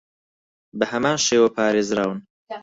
بەهەمان شێوە پارێزراون